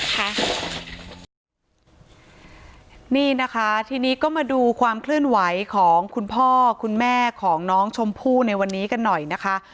ค่ะนี่นะคะทีนี้ก็มาดูความเคลื่อนไหวของคุณพ่อคุณแม่ของน้องชมพู่ในวันนี้กันหน่อยนะคะ